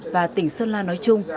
và tỉnh sơn la nói chung